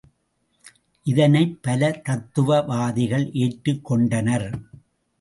இதனைப் பல தத்துவவாதிகள் ஏற்றுக் கொண்டனர்.